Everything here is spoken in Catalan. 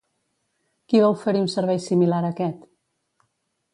Qui va oferir un servei similar a aquest?